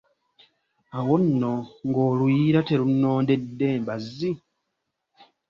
Awo nno ng'oluyiira terunnondedde mbazzi!